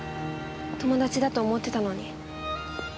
友達だと思ってたのに。